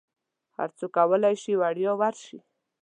هرڅوک کولی شي وړیا ورشي.